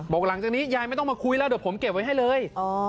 บอกหลังจากนี้ยายไม่มาคุยแล้วเดี๋ยวผมเก็บมาให้เลย